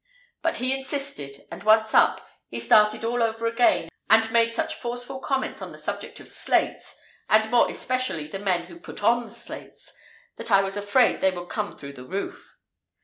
But he insisted, and once up, he started all over again, and made such forceful comments on the subject of slates—and more especially the men who put on the slates—that I was afraid they would come through the roof.